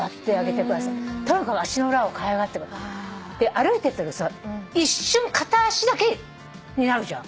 歩いてるとき一瞬片足だけになるじゃん。